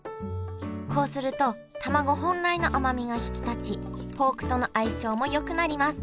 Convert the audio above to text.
こうするとたまご本来の甘みが引き立ちポークとの相性もよくなります